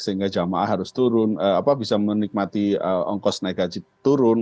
sehingga jamaah harus turun bisa menikmati ongkos naik haji turun